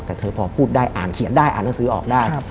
แต่เธอพอพูดได้อ่านเขียนได้อ่านหนังสือออกได้